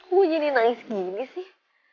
gue jadi nangis gini sih